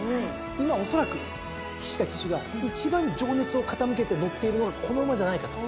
今おそらく菱田騎手が一番情熱を傾けて乗っているのがこの馬じゃないかと。